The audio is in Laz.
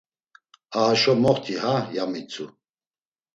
A haşo moxt̆i ha, ya mitzu.